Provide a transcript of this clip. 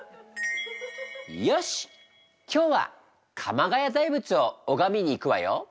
よし今日は鎌ケ谷大仏を拝みに行くわよ。